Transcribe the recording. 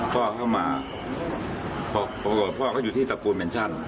พ่อเข้ามาพ่อเขาอยู่ที่ตะปูนเมนชั่น